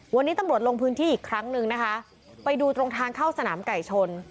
วันนี้ตำรวจลงพื้นที่อีกครั้งหนึ่งนะคะไปดูตรงทางเข้าสนามไก่ชน